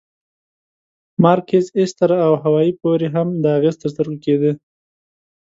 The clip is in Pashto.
مارکیز، ایستر او هاوایي پورې هم دا اغېز تر سترګو کېده.